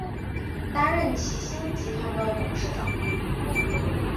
担任齐星集团的董事长。